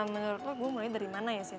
menurut lo gue mulai dari mana ya sin